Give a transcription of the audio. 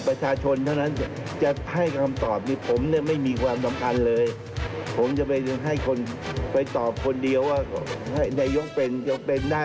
พี่เจ้าคุณเด็กคุณพี่คุณเป็นนักประชาชนได้หรือเปล่าคุณเป็นนักประชาชนเป็นตัวเลย